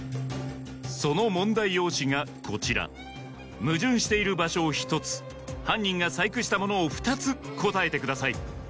その問題用紙がこちら矛盾している場所を１つ犯人が細工したものを２つ答えてください